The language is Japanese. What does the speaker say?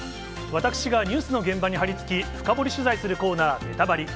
私がニュースの現場に張り付き、深掘り取材するコーナー、ベタバリ！